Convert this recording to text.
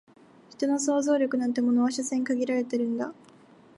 人の想像力なんてものは所詮限られてるんだ